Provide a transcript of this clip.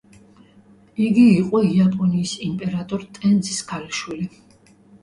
იგი იყო იაპონიის იმპერატორ ტენძის ქალიშვილი.